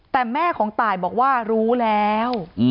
แต่แม่ของตายบอกว่ารู้แล้ว